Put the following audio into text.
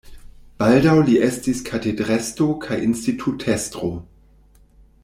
Baldaŭ li estis katedrestro kaj institutestro.